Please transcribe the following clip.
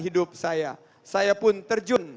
hidup saya saya pun terjun